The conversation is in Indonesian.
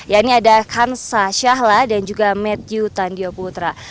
yaitu hansa shahla dan juga matthew tandio putra